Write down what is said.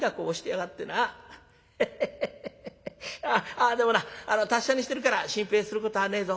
あっでもな達者にしてるから心配することはねえぞ。